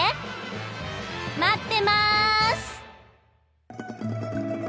まってます！